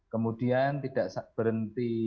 kemudian tidak berhenti